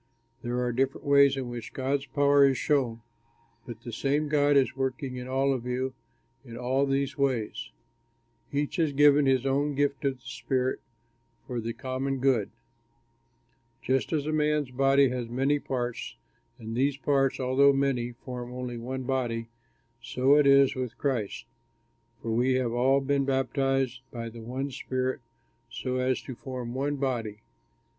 There are different ways in which God's power is shown, but the same God is working in all of you in all these ways. Each is given his own gift of the Spirit for the common good. Just as a man's body has many parts, and these parts, although many, form only one body, so it is with Christ. For we have all been baptized by the one Spirit so as to form one body.